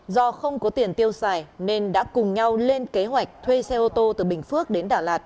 do không có tiền tiêu xài nên đã cùng nhau lên kế hoạch thuê xe ô tô từ bình phước đến đà lạt